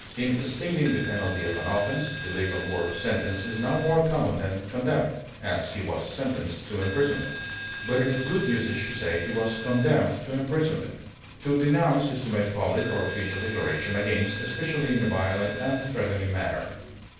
In stating the penalty of an offense, the legal word sentence is now more common than condemn; as, he was sentenced to imprisonment; but it is good usage to say, he was condemned to imprisonment. To denounce is to make public or official declaration against, especially in a violent and threatening manner.